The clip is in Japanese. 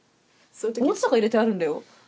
おむつとか入れてあるんだよ？